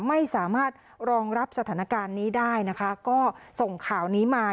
ไม่สามารถรองรับสถานการณ์นี้ได้นะคะก็ส่งข่าวนี้มา